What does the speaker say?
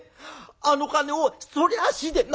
あの金をそりゃひでえ！」。